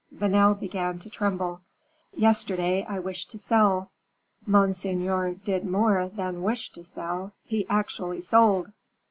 Vanel began to tremble. "Yesterday I wished to sell " "Monseigneur did more than wish to sell, he actually sold."